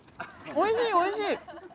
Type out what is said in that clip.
おいしいおいしい！